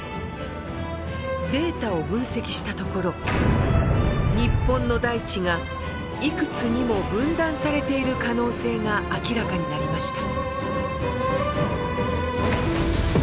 データを分析したところ日本の大地がいくつにも分断されている可能性が明らかになりました。